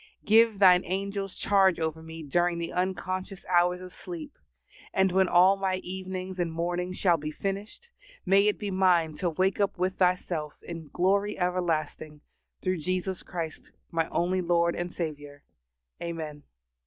Give thine angels charge over me during the unconscious hours of sleep, and, when all my evenings and mornings shall be finished, may it be mine to wake up with Thyself in glory everlasting, through Jesus Christ my only Lord and Saviour. Amen.